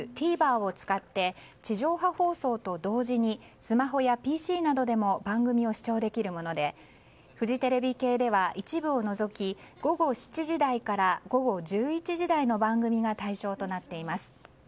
ＴＶｅｒを使って地上波放送と同時にスマホやＰＣなどでも番組を視聴できるものでフジテレビ系では一部を除き午後７時台から午後１１時台の番組が対象となっています。